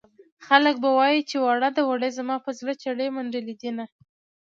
خلک به وايي چې وړه ده وړې زما په زړه چړې منډلې دينه